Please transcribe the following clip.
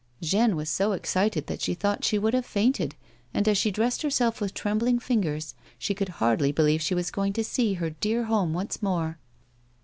Jeanne was so excited that she thought she would have fainted, and, as she dressed herself with trembling fingers, she could hardly believe she was going to see her dear home once more.